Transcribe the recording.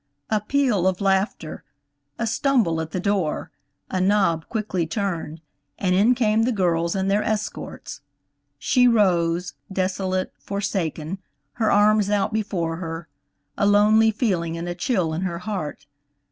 A peal of laughter, a stumble at the door, a knob quickly turned, and in came the girls and their escorts. She rose, desolate, forsaken, her arms out before her, a lonely feeling and a chill in her heart.